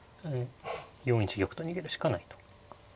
４一玉と逃げるしかないと。